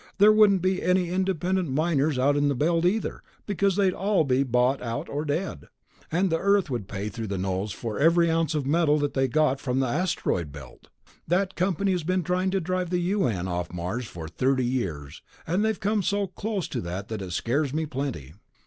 There wouldn't be any independent miners out in the Belt, either, because they'd all be bought out or dead, and Earth would pay through the nose for every ounce of metal that they got from the Asteroid Belt. That company has been trying to drive the U.N. off Mars for thirty years, and they've come so close to it that it scares me plenty."